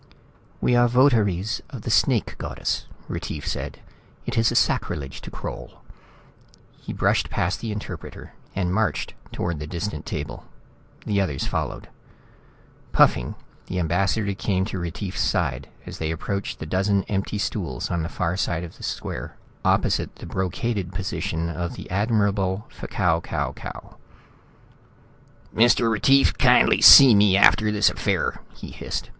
"We are votaries of the Snake Goddess," Retief said. "It is a sacrilege to crawl." He brushed past the interpreter and marched toward the distant table. The others followed. Puffing, the ambassador came to Retief's side as they approached the dozen empty stools on the far side of the square opposite the brocaded position of the Admirable F'Kau Kau Kau. "Mr. Retief, kindly see me after this affair," he hissed.